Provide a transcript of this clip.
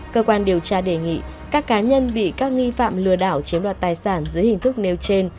cơ quan điều tra đề nghị các cá nhân bị các nghi phạm lừa đảo chiếm đoạt tài sản dưới hình thức nêu trên